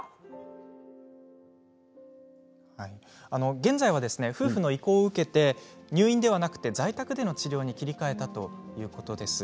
現在は夫婦の意向を受けて入院ではなく在宅での治療に切り替えたということなんです。